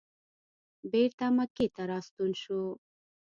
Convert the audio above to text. بېرته مکې ته راستون شو.